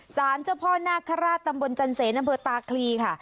สารเจ้าพ่อนาคาราชตำบลจันเสนอำเภอตาคลีค่ะ